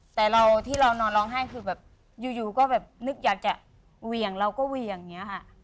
แต่เราที่เรานอนร้องไห้คือแบบอยู่ก็แบบนึกอยากจะเหวี่ยงเราก็เหวี่ยงอย่างนี้ค่ะ